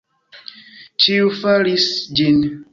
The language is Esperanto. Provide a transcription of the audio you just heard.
Ĉiuj faris ĝin.